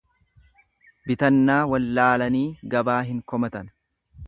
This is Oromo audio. Bitannaa wallaalanii gabaa hin komatan.